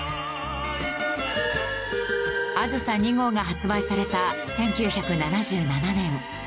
『あずさ２号』が発売された１９７７年。